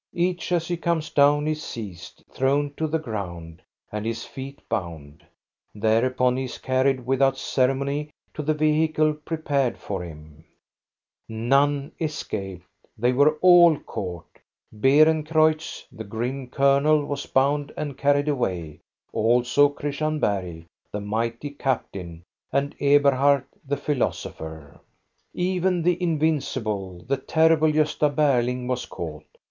Each, as he comes down, is seized, thrown to the ground, and his feet bound; there upon he is carried without ceremony to the vehicle prepared for him. uS THE STORY OF GOSTA BERLING None escaped ; they were all caught. Beerencreutz, the grim colonel, was bound and carried away; also Christian Bergh, the mighty captain, and Eberhard, the philosopher. Even the invincible, the terrible Gosta Berlmg was caught.